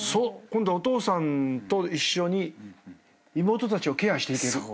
今度はお父さんと一緒に妹たちをケアしていける。